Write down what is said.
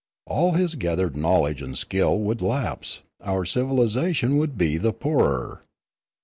All his gathered knowledge and skill would lapse; and our civilisation would be the poorer.